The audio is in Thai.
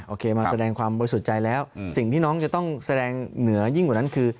โอเคมาแสดงความบริสุทธิ์ใจแล้วสิ่งที่น้องจะต้องแสดงเหนือยิ่งกว่านั้นคือ